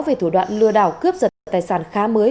về thủ đoạn lừa đảo cướp giật tài sản khá mới